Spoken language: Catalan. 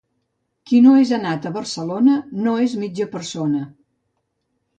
Qui no és anat a Barcelona, no és mitja persona.